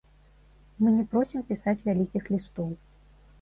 Мы не просім пісаць вялікіх лістоў.